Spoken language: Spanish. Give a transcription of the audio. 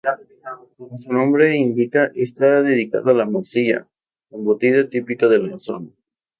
Como su nombre indica, está dedicado a la morcilla, embutido típico de la zona.